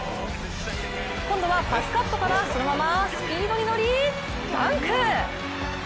今度はパスカットからそのままスピードに乗りダンク！